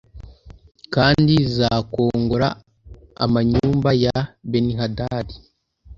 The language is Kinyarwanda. kandi zizakongora amanyumba ya Benihadadi